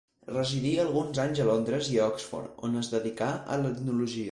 Residí alguns anys a Londres i a Oxford, on es dedicà a l'etnologia.